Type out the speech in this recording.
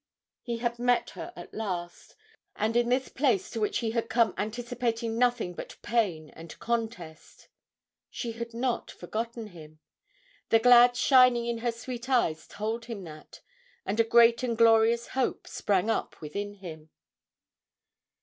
He had met her at last, and in this place to which he had come anticipating nothing but pain and contest ... she had not forgotten him the glad shining in her sweet eyes told him that, and a great and glorious hope sprang up within him.